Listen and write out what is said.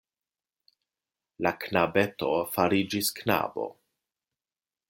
La knabeto fariĝis knabo...